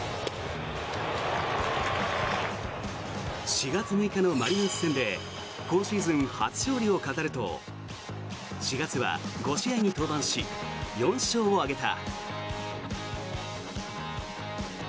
４月６日のマリナーズ戦で今シーズン初勝利を飾ると４月は５試合に登板し４勝を挙げた。